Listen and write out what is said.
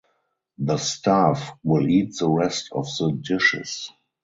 The staff will eat the rest of the dishes.